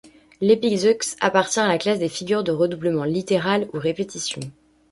L'épizeuxe appartient à la classe des figures de redoublement littéral ou répétition.